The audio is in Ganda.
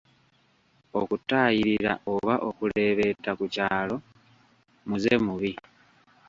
Okutaayirira oba okuleebeeta ku kyalo muze mubi.